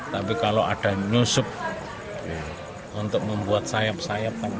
tapi kalau ada nyusup untuk membuat sayap sayap